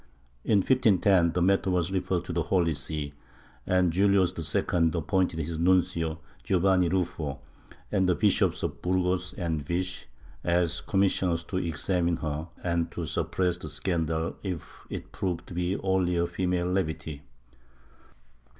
In 1510 the matter was referred to the Holy See, and Julius II appointed his nuncio, Giovanni Ruffo, and the Bishops of Burgos and Vich, as commissioners to examine her and to sup press the scandal if it proved to be only female levity.